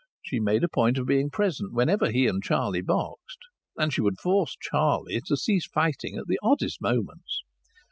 She made a point of being present whenever he and Charlie boxed, and she would force Charlie to cease fighting at the oddest moments.